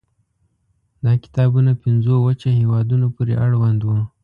دا کتابونه پنځو وچه هېوادونو پورې اړوند وو.